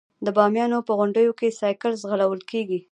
د بامیانو په غونډیو کې سایکل ځغلول کیږي.